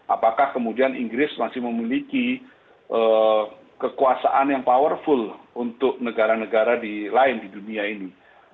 apakah kemudian inggris masih memiliki kekuasaan yang powerful untuk negara negara lain di dunia ini